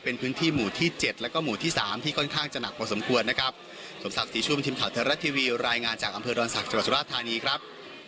เป็นพื้นที่หมู่ที่๗แล้วก็หมู่ที่๓ที่ค่อนข้างจะหนักพอสมควรนะครับ